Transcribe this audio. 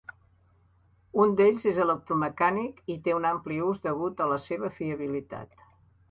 Un d'ells és electromecànic i té un ampli ús degut a la seva fiabilitat.